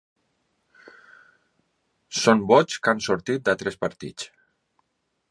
Són vots que han sortit d’altres partits.